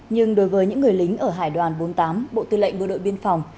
nhưng đối với những người lính ở hải đoàn bốn mươi tám bộ tư lệnh bộ đội biên phòng